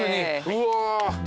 うわ。